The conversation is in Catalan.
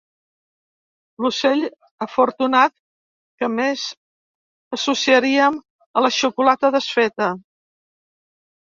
L'ocell afortunat que més associaríem a la xocolata desfeta.